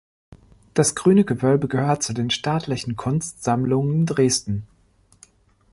Das Grüne Gewölbe gehört zu den Staatlichen Kunstsammlungen Dresden.